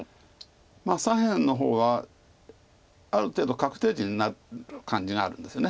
左辺の方はある程度確定地になる感じになるんですよね。